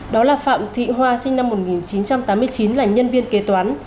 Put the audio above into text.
đó là phạm thị hoa sinh năm một nghìn chín trăm tám mươi chín là nhân viên kế toán